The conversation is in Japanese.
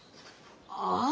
ああ。